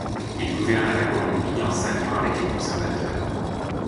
Il gouverna la Colombie en s'alliant avec les Conservateurs.